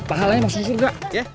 pahalanya masuk surga